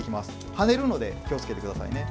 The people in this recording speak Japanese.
はねるので気をつけてくださいね。